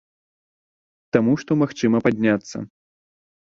Таму што магчыма падняцца.